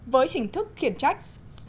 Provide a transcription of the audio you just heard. với hình thức khiển trách